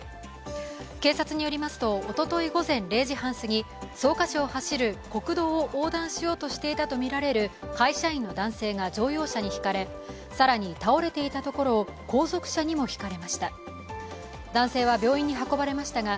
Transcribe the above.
警察によりますと、おととい午前０時半すぎ、草加市を走る国道を横断しようとしていたとみられる会社員の男性が乗用車にひかれ更に倒れていたところを後続車にもひかれました。